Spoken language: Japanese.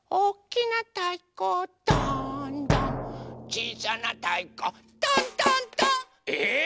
「ちいさなたいこ」「トントントン」えっ⁉